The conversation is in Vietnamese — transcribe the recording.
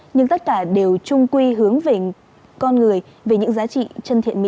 nhưng tất cả đều trung quy hướng về con người về những giá trị chân thiện mỹ